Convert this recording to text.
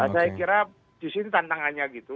saya kira disini tantangannya gitu